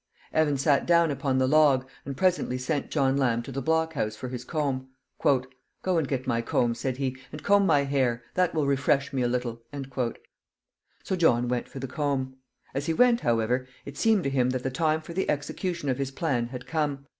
Evan sat down upon the log, and presently sent John Lamb to the block house for his comb. "Go and get my comb," said he, "and comb my hair. That will refresh me a little." So John went for the comb. As he went, however, it seemed to him that the time for the execution of his plan had come.